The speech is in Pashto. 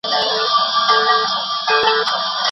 روښانه رڼا د بدن ساعت ته سیګنال ورکوي.